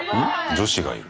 女子がいる。